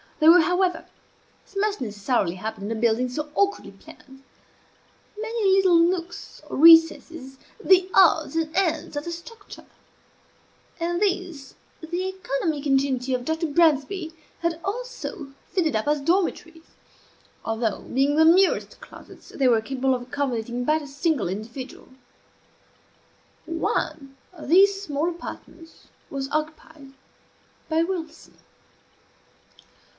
There were, however (as must necessarily happen in a building so awkwardly planned) many little nooks or recesses, the odds and ends of the structure; and these the economic ingenuity of Dr. Bransby had also fitted up as dormitories; although, being the merest closets, they were capable of accommodating but a single individual. One of these small apartments was occupied by Wilson.